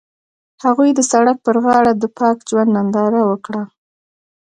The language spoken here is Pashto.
هغوی د سړک پر غاړه د پاک ژوند ننداره وکړه.